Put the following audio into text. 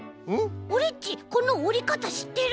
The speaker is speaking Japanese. オレっちこのおりかたしってる！